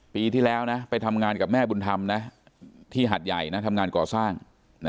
ปีที่แล้วนะไปทำงานกับแม่บุญธรรมที่หัดใหญ่นะทำงานก่อสร้าง